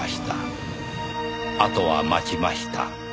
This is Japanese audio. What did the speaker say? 「あとは待ちました」